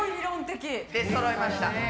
出そろいました。